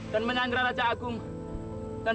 dan menyangkut raja agung dan